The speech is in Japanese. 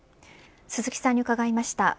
鈴木さんに伺いました。